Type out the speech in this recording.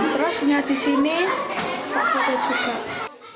terus di sini pak koto juga